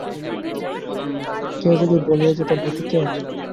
কেহ যদি বলিয়া দিত মতিকে!